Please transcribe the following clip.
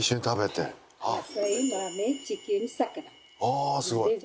ああすごい！